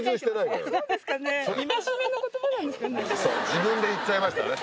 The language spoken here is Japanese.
自分で言っちゃいましたね